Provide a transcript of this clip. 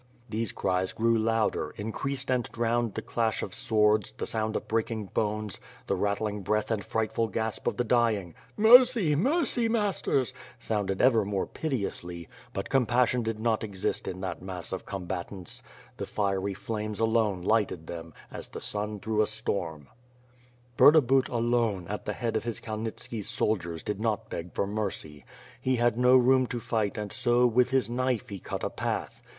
^^ These cries grew louder, increased and drowned the clash of swords, the sound of breaking bones, the rattling breath and frightful gasp of the dying. "Mercy! mercy! masters,^^ sounded ever more piteously; but compassion did not exist in 3^6 ^'^^^^^^^^^^^ 8W0RD. that mass of combatants. The fiery flames alone lighted them, as the sun through a stonn. Burdabut, alone, at the head of his Kalnitski soldiers did not beg for mercy. He had no room to fight and so, with his knife, he cut a path.